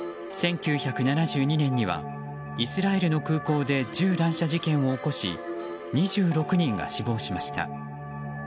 １９７２年にはイスラエルの空港で銃乱射事件を起こし２６人が死亡しました。